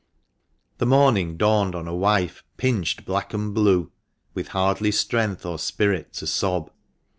The morning dawned on a wife pinched black and blue, with hardly strength or spirit to sob.